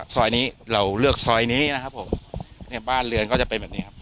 ซอยนี้เราเลือกซอยนี้นะครับผมเนี่ยบ้านเรือนก็จะเป็นแบบนี้ครับ